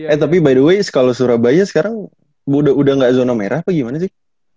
eh tapi btw kalo surabaya sekarang udah gak zona merah apa gimana sih